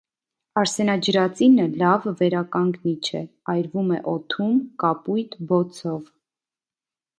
Արսենաջրածինը լավ վերականգնիչ է, այրվում է օդում կապույտ բոցով։